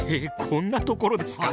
こんなところですか？